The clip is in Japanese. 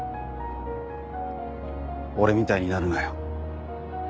俺みたいになるなよ。